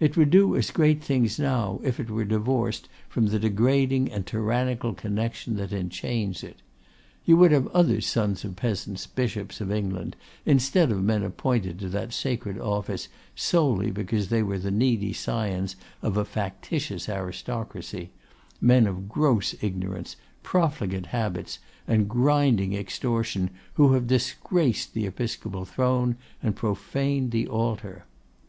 It would do as great things now, if it were divorced from the degrading and tyrannical connection that enchains it. You would have other sons of peasants Bishops of England, instead of men appointed to that sacred office solely because they were the needy scions of a factitious aristocracy; men of gross ignorance, profligate habits, and grinding extortion, who have disgraced the episcopal throne, and profaned the altar.